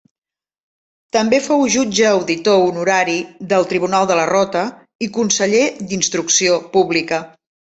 També fou jutge auditor honorari del Tribunal de la Rota i conseller d'Instrucció Pública.